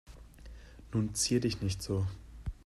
Nun zier dich nicht so.